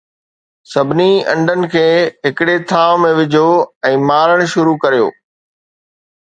سڀني انڊن کي ھڪڙي ٿانو ۾ وجھو ۽ مارڻ شروع ڪريو